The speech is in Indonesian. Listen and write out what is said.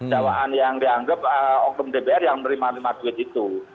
dawaan yang dianggap oknum dpr yang menerima lima duit itu